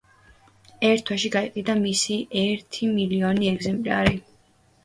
ერთ თვეში გაიყიდა მისი ერთი მილიონი ეგზემპლარი.